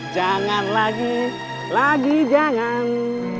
jangan lagi lagi jangan